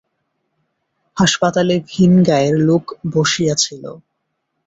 হাসপাতালে ভিনগাঁয়ের লোক বসিয়া ছিল।